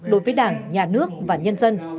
đối với đảng nhà nước và nhân dân